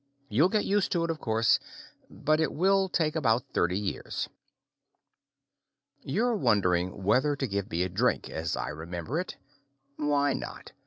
You'll get used to it, of course, but it will take about thirty years. You're wondering whether to give me a drink, as I remember it. Why not?